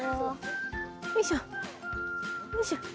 よいしょよいしょ。